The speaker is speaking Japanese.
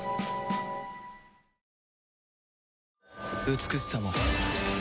美しさも